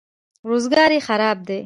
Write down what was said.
روزګار یې خراب دی.